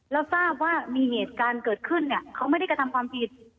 แล้วทราบว่ามีเหตุการณ์เกิดขึ้นเนี่ยเขาไม่ได้กระทำความผิด